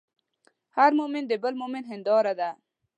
هر مؤمن د بل مؤمن هنداره ده.